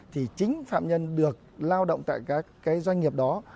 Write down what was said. thì chính phạm nhân được lao động tại các cái doanh nghiệp đó